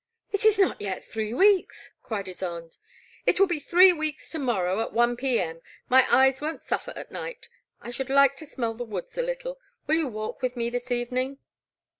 It is not yet three weeks !cried Ysonde. It will be three weeks to morrow at i p.m. My eyes won*t suffer at night. I should like to smell the woods a little. Will you walk with me this evening?